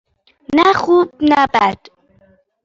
نه خوب - نه بد.